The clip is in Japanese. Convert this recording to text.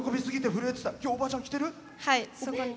今日、おばあちゃん来てる？